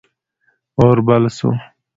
اور بل سو.